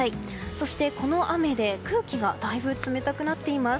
そして、この雨で空気がだいぶ冷たくなっています。